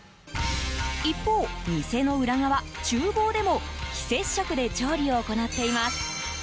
一方、店の裏側、厨房でも非接触で調理を行っています。